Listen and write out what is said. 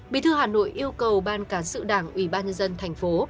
bí thư hà nội yêu cầu ban cán sự đảng ủy ban nhân dân thành phố